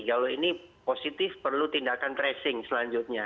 kalau ini positif perlu tindakan tracing selanjutnya